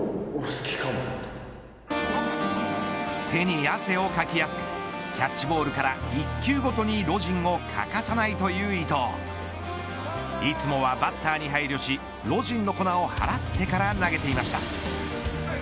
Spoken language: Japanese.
手に汗をかきやすくキャッチボールから１球ごとにロジンを欠かさないという伊藤いつもはバッターに入る日ロジンの粉を払ってから投げていました。